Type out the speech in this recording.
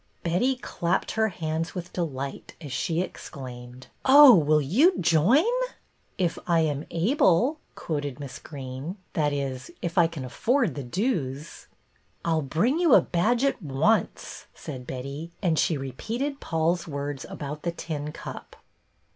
Betty clapped her hands with delight as she exclaimed, —" Oh, will you join ?"" If I am able," quoted Miss Greene. " That is, if I can afford the dues." " I 'll bring you a badge at once," said Betty ; and she repeated Paul's words about the tin cup.